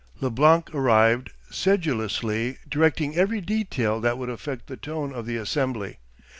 Leblanc arrived, sedulously directing every detail that would affect the tone of the assembly.